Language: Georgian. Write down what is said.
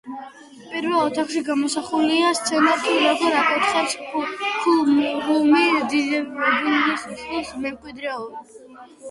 პირველ ოთახში გამოსახულია სცენა, თუ როგორ აკურთხებს ქურუმი დიდებულის შვილს მემკვიდრედ.